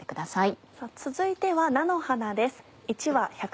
続いては菜の花です。